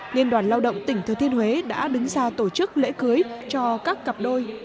liên đoàn lao động tỉnh thừa thiên huế đã đứng ra tổ chức lễ cưới cho các cặp đôi